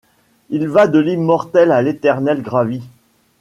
Il va de l'immortel à l'éternel, gravit